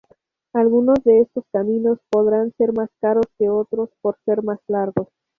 Algunos de estos caminos podrán ser más caros que otros, por ser más largos.